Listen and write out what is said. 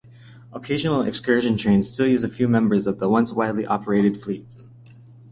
Occasional excursion trains still use a few members of the once widely operated fleet.